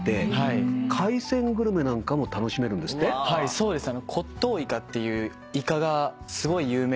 そうですか。